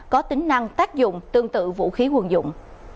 có tính năng tác dụng tương tự vũ khí quân dụng